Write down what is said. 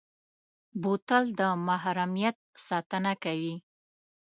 بوتل د محرمیت ساتنه کوي.